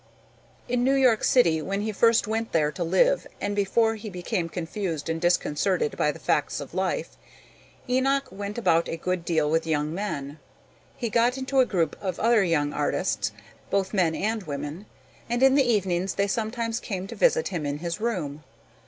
In New York City, when he first went there to live and before he became confused and disconcerted by the facts of life, Enoch went about a good deal with young men. He got into a group of other young artists, both men and women, and in the evenings they sometimes came to visit him in his room.